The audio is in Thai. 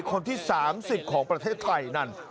คนที่๓๐ของประเทศไทยนั่น